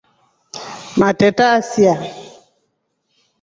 Matreta yasia.